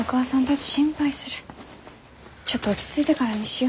ちょっと落ち着いてからにしよ。